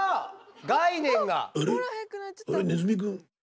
概念が。